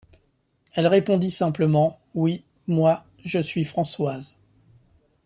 Elle répondit simplement: — Oui, moi, je suis Françoise...